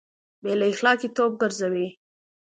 بې له اخلاقي توب ګرځوي